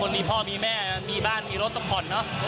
มีพ่อมีแม่มีบ้านมีรถต้องผ่อนเนอะ